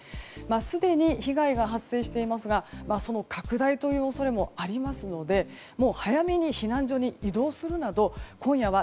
すでに、被害が発生していますがその拡大という恐れもありますので早めに避難所に移動するなど今夜は